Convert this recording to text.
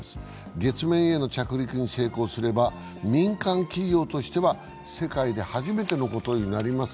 月面への着陸に成功すれば民間企業とすれば世界で初めてのことになります。